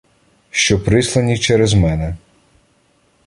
Що прислані через мене: